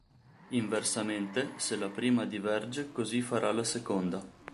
Inversamente, se la prima diverge così farà la seconda.